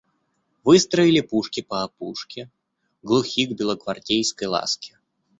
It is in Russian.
Выстроили пушки по опушке, глухи к белогвардейской ласке.